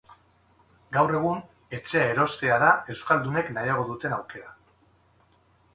Gaur egun, etxea erostea da euskaldunek nahiago duten aukera.